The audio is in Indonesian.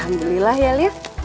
alhamdulillah ya liv